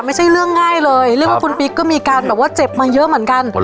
ไม่ใช่เรื่องง่ายเลยเรื่องว่าคุณปิ๊กก็มีการแบบว่าเจ็บมาเยอะเหมือนกัน